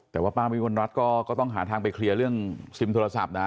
แต่ว่าป้าวิมลรัฐก็ต้องหาทางไปเคลียร์เรื่องซิมโทรศัพท์นะ